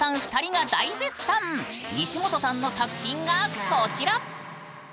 西本さんの作品がこちら！